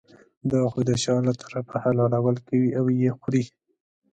دا خو د شا له طرفه حلالول کوي او یې خوري.